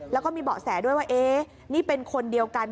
แล้วก็มีเบาะแสด้วยว่าเอ๊ะนี่เป็นคนเดียวกัน